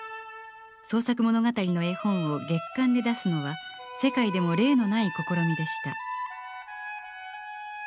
創作物語の絵本を月刊で出すのは世界でも例のない試みでした。